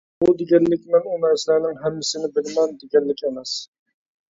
بۇ دېگەنلىك مەن ئۇ نەرسىلەرنىڭ ھەممىسىنى بىلىمەن، دېگەنلىك ئەمەس.